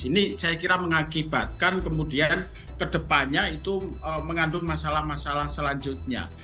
ini saya kira mengakibatkan kemudian kedepannya itu mengandung masalah masalah selanjutnya